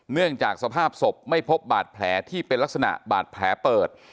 เนื่องจากสภาพศพไม่พบบาดแผลที่เป็นลักษณะบาดแผลเปิด